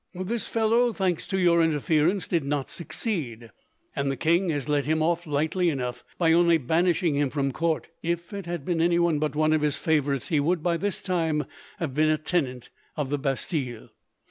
This fellow, thanks to your interference, did not succeed; and the king has let him off, lightly enough, by only banishing him from court. If it had been anyone but one of his favourites, he would, by this time, have been a tenant of the Bastille.